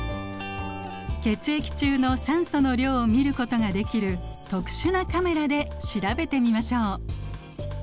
血液中の酸素の量を見ることができる特殊なカメラで調べてみましょう。